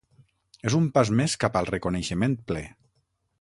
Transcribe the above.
És un pas més cap al reconeixement ple.